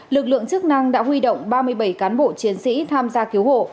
lực lượng chức năng đã huy động ba mươi bảy cán bộ chiến sĩ tham gia cứu hộ